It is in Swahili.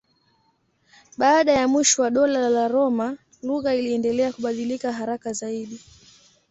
Baada ya mwisho wa Dola la Roma lugha iliendelea kubadilika haraka zaidi.